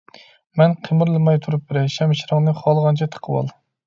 مەن قىمىرلىماي تۇرۇپ بېرەي، شەمشىرىڭنى خالىغانچە تىقىۋال!